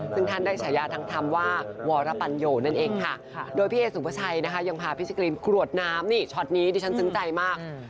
ซึ่งท่านได้ฉายาทางธรรมว่าวรปัญโยนั่นเองค่ะโดยพี่เอสุภาชัยนะคะยังพาพี่สกรีนกรวดน้ำนี่ช็อตนี้ดิฉันซึ้งใจมาก